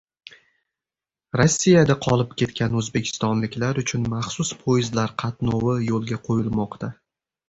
Rossiyada qolib ketgan o‘zbekistonliklar uchun maxsus poyezdlar qatnovi yo‘lga qo‘yilmoqda